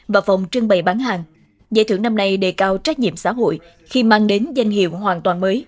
và phòng trưng bày bán hàng giải thưởng năm nay đề cao trách nhiệm xã hội khi mang đến danh hiệu hoàn toàn mới